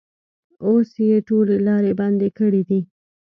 اوس یې ټولې لارې بندې کړې دي.